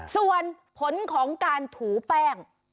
ส่วนผลของการถูแป้ง